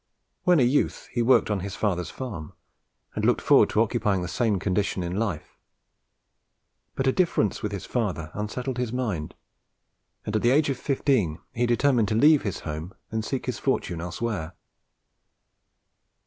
When a youth, he worked on his father's farm, and looked forward to occupying the same condition in life; but a difference with his father unsettled his mind, and at the age of fifteen he determined to leave his home, and seek his fortune elsewhere.